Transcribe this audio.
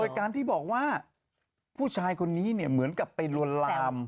โดยการที่บอกว่าผู้ชายคนนี้เนี่ยเหมือนกับไปลวนลาม